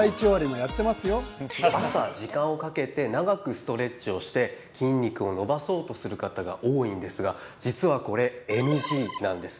朝、時間をかけて長くストレッチをして筋肉を伸ばそうとする方が多いんですが実は、これＮＧなんです。